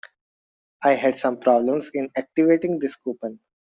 I had some problems in activating this coupon.